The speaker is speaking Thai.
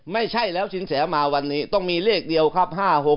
ไม่ใช่แล้วสินแสมาวันนี้ต้องมีเลขเดียวครับ